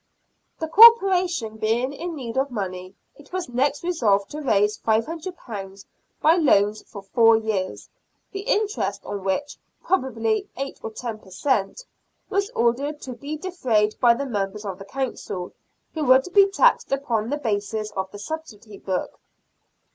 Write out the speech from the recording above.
The Corporation being in need of money, it was next resolved to raise £500 by loans for four years, the interest on which (probably eight or ten per cent.) was ordered to be defrayed by the members of the Council, who were to be taxed upon the basis of the subsidy book.